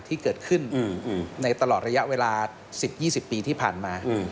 ที่เกิดขึ้นในตลอดระยะเวลา๑๐๒๐ปีที่ผ่านมา